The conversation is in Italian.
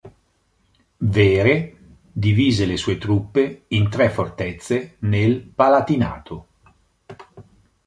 Vere divise le sue truppe in tre fortezze nel Palatinato.